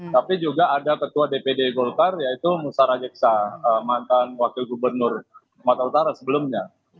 tapi juga ada ketua dpd golkar yaitu musara yiksa mantan wakil gubernur sumatera utara sebelumnya